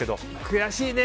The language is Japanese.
悔しいね。